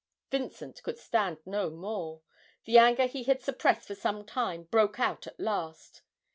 Vincent could stand no more; the anger he had suppressed for some time broke out at last.